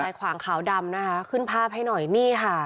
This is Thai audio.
ขวางขาวดำนะคะขึ้นภาพให้หน่อยนี่ค่ะ